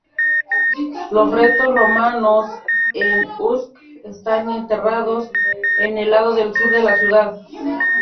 Los restos romanos en Usk están enterrados en el lado sur de la ciudad.